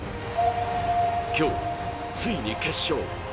今日、ついに決勝。